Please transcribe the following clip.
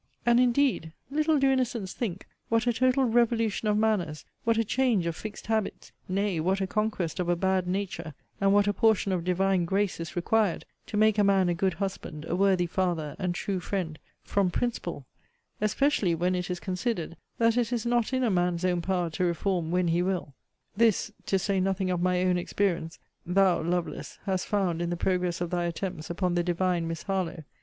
And, indeed, little do innocents think, what a total revolution of manners, what a change of fixed habits, nay, what a conquest of a bad nature, and what a portion of Divine GRACE, is required, to make a man a good husband, a worthy father, and true friend, from principle; especially when it is considered, that it is not in a man's own power to reform when he will. This, (to say nothing of my own experience,) thou, Lovelace, hast found in the progress of thy attempts upon the divine Miss Harlowe.